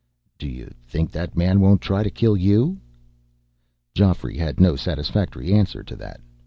"Do you think that man won't try to kill you?" Geoffrey had no satisfactory answer to that.